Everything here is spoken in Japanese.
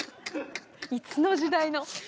いつの時代の。